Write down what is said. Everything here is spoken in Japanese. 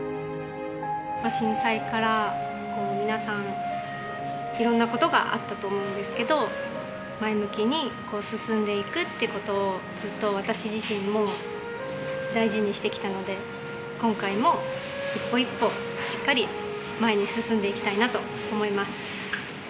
震災から皆さん、いろんなことがあったと思うんですけど、前向きに進んでいくってことを、ずっと私自身も大事にしてきたので、今回も一歩一歩、しっかり前に進んでいきたいなと思います。